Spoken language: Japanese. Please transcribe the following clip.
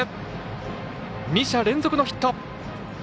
２者連続のヒット。